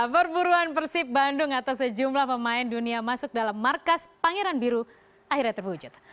perburuan persib bandung atas sejumlah pemain dunia masuk dalam markas pangeran biru akhirnya terwujud